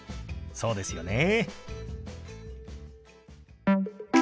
そうですよね。